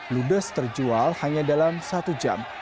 ludes terjual hanya dalam satu jam